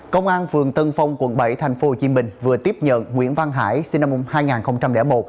công an phường tân phong quận bảy tp hcm vừa tiếp nhận nguyễn văn hải sinh năm hai nghìn một